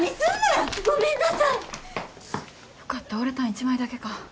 よかった折れたん１枚だけか。